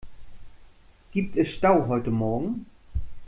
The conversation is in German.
Gibt es Stau heute morgen?